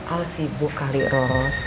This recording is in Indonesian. al sibuk kali ros